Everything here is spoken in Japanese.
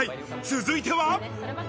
続いては。